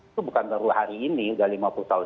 itu bukan baru hari ini udah lima puluh tahun